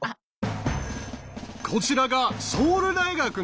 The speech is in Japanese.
こちらがソウル大学の入試問題。